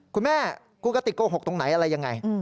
คุณแม่คุณกติกโกหกตรงไหนอะไรยังไง